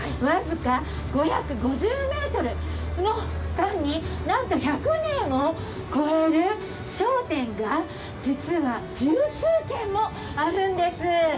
僅か５５０ｍの間になんと１００年を超える商店が、実は十数軒もあるんです。